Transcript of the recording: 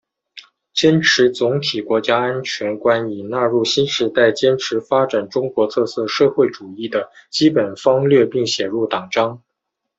坚持总体国家安全观已纳入新时代坚持和发展中国特色社会主义的基本方略并写入党章